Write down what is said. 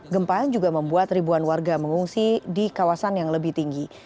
gempa juga membuat ribuan warga mengungsi di kawasan yang lebih tinggi